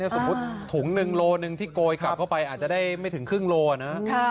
สมมุติถุงหนึ่งโลหนึ่งที่โกยกลับเข้าไปอาจจะได้ไม่ถึงครึ่งโลนะ